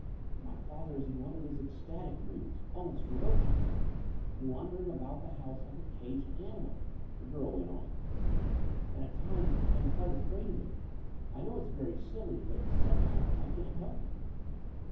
"My father is in one of his ecstatic moods — almost ferocious, and wandering about the house like a caged animal," the girl went on: "and at times I am quite afraid of him. I know it^s very silly: but somehow I can't help it."